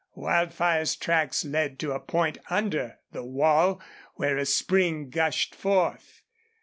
Wildfire's tracks led to a point under the wall where a spring gushed forth.